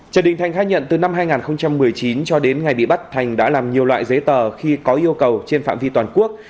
trần đình thành khai nhận từ năm hai nghìn một mươi chín cho đến ngày bị bắt thành đã làm nhiều loại giấy tờ khi có yêu cầu trên phạm vi toàn quốc